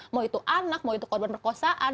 mau itu anak mau itu korban perkosaan